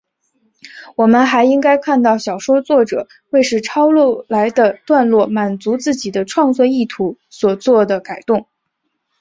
我们还应该看到小说作者为使抄录来的段落满足自己的创作意图所作的改动。